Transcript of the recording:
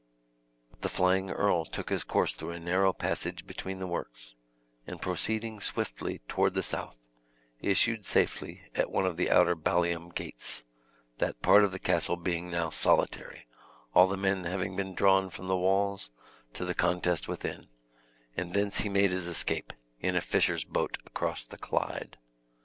The flying earl took his course through a narrow passage between the works, and proceeding swiftly toward the south, issued safely at one of the outer ballium gates that part of the castle being now solitary, all the men having been drawn from the walls to the contest within and thence he made his escape in a fisher's boat across the Clyde.